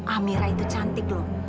amirah itu cantik loh